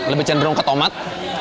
lebih cenderung ke tomat